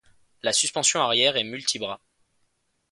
La suspension arrière est multibras.